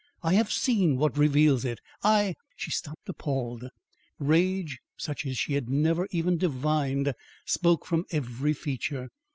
I have seen what reveals it. I " She stopped appalled. Rage, such as she had never even divined spoke from every feature.